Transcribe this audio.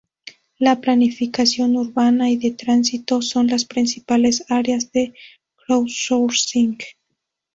La planificación urbana y de tránsito son las principales áreas de "crowdsourcing".